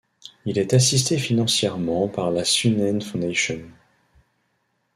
Il est assisté financièrement par la Sunnen Foundation.